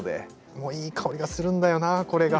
もういい香りがするんだよなぁこれが。